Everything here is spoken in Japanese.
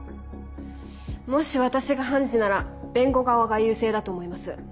もし私が判事なら弁護側が優勢だと思います。